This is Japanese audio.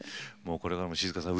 これからも静香さん